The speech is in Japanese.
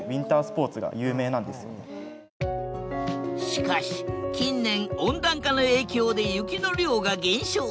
しかし近年温暖化の影響で雪の量が減少。